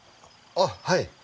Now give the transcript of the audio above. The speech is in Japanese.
あっはい。